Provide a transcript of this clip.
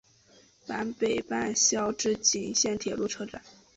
坂北站筱之井线铁路车站。